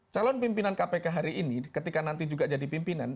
calon pimpinan kpk hari ini ketika nanti juga jadi pimpinan